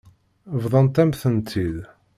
Bḍant-am-tent-id.